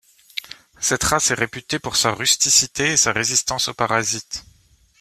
Cette race est réputée pour sa rusticité et sa résistance aux parasites.